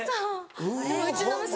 うちの娘